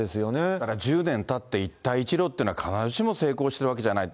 だから１０年たって、一帯一路っていうのは必ずしも成功しているわけじゃない。